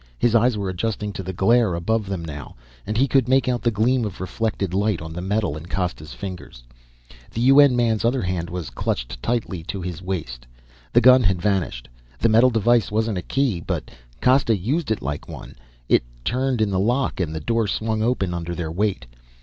His eyes were adjusting to the glare above them now, and he could make out the gleam of reflected light on the metal in Costa's fingers. The UN man's other hand was clutched tightly to his waist. The gun had vanished. The metal device wasn't a key, but Costa used it like one. It turned in the lock and the door swung open under their weight.